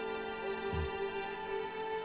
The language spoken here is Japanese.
うん。